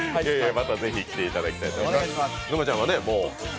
またぜひ来ていただきたいと思います。